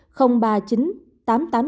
cục hàng không việt nam